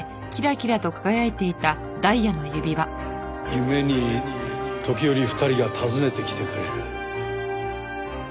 夢に時折２人が訪ねてきてくれる。